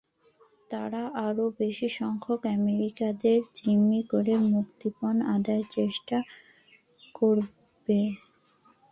তারা আরও বেশি সংখ্যক আমেরিকানদের জিম্মি করে মুক্তিপণ আদায়ের চেষ্টা করবে।